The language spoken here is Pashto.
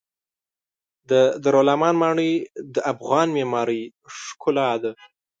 د دارالامان ماڼۍ د افغان معمارۍ ښکلا ده.